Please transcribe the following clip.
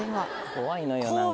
怖いのよ何か。